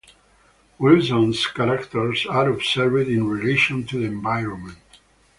Wilson's characters are observed in relation to the environment.